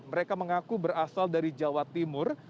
mereka mengaku berasal dari jawa timur